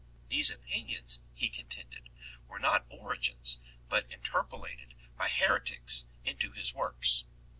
These opinions, he contended, were not Origen s, but interpolated by heretics into his works.